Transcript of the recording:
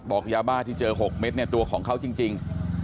ยาบ้าที่เจอ๖เม็ดเนี่ยตัวของเขาจริง